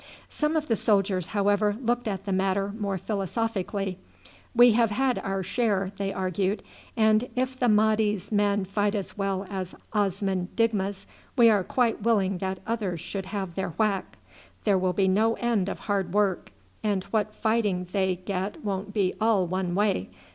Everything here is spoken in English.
Some of the soldiers, however, looked at the matter more philosophically. "We have had our share," they argued, "and if the Mahdi's men fight as well as Osman Digma's we are quite willing that others should have their whack. There will be no end of hard work, and what fighting they get won't be all one way.